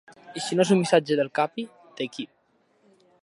I si no és un missatge del Capi, ¿de qui?